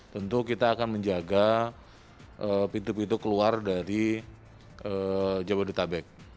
tentu kita akan menjaga pintu pintu keluar dari jabodetabek